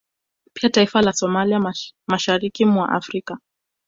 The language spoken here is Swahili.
Pia taifa la Somalia masahariki mwa Afrika